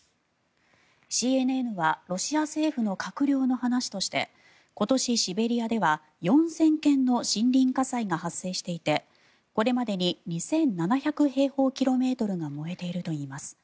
ＣＮＮはロシア政府の閣僚の話として今年、シベリアでは４０００件の森林火災が発生していてこれまでに２７００平方キロメートルが燃えているといいます。